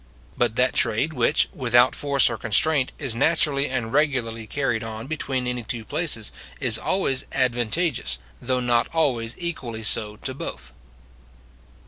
But that trade which, without force or constraint, is naturally and regularly carried on between any two places, is always advantageous, though not always equally so, to both.